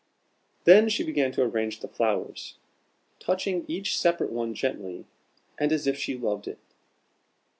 Then she began to arrange the flowers, touching each separate one gently, and as if she loved it.